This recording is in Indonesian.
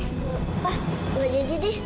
pak mau aja didi